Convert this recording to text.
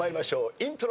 イントロ。